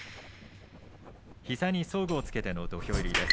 膝に装具をつけての土俵入りです。